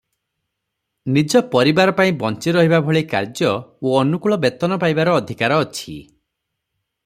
ନିଜ ପରିବାର ପାଇଁ ବଞ୍ଚି ରହିବା ଭଳି କାର୍ଯ୍ୟ ଓ ଅନୁକୂଳ ବେତନ ପାଇବାର ଅଧିକାର ଅଛି ।